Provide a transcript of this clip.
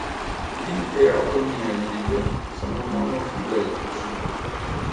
Gli Eatoniellidae sono monofiletici.